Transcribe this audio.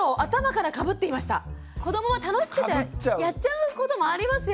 子どもは楽しくてやっちゃうこともありますよね。